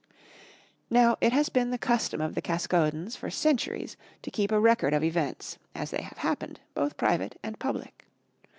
Now, it has been the custom of the Caskodens for centuries to keep a record of events, as they have happened, both private and public.